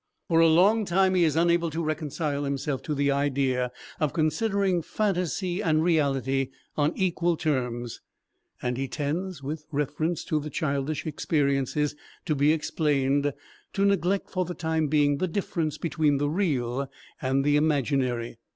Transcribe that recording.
For a long time he is unable to reconcile himself to the idea of considering phantasy and reality on equal terms and he tends, with reference to the childish experiences to be explained, to neglect for the time being the difference between the real and the imaginary.